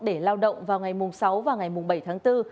để lao động vào ngày sáu và ngày mùng bảy tháng bốn